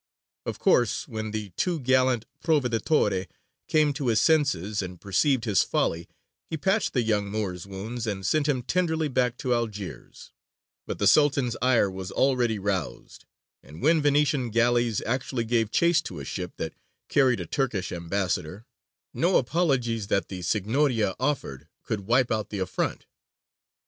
Of course when the too gallant Proveditore came to his senses and perceived his folly, he patched the young Moor's wounds and sent him tenderly back to Algiers: but the Sultan's ire was already roused, and when Venetian galleys actually gave chase to a ship that carried a Turkish ambassador, no apologies that the Signoria offered could wipe out the affront.